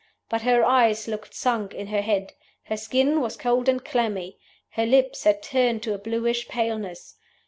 But her eyes looked sunk in her head; her skin was cold and clammy; her lips had turned to a bluish paleness.